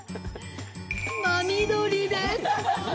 ・真緑です